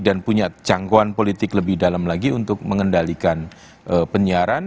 dan punya canggkauan politik lebih dalam lagi untuk mengendalikan penyiaran